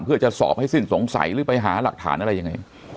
เพื่อจะสอบให้สิ้นสงสัยหรือไปหาหลักฐานอะไรยังไง